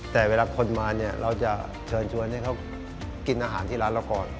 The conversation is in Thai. แต่เวลาคนมาเนี่ยเราจะเชิญชวนให้เขากินอาหารที่ร้านเราก่อน